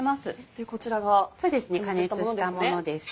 でこちらが加熱したものですね。